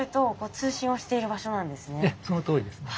ええそのとおりですね。